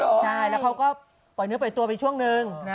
ใช่แล้วเขาก็ปล่อยเนื้อปล่อยตัวไปช่วงนึง